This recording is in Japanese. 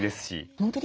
本当に？